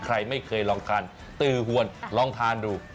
ใครไม่เคยลองทานตือหวนลองทานดู